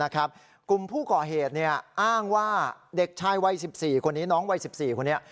กลุ่มผู้ก่อเหตุอ้างว่าเด็กชายวัย๑๔คนนี้น้องวัย๑๔คนนี้